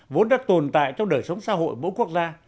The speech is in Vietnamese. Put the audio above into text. vốn đã tồn tại trong đời sống xã hội mỗi quốc gia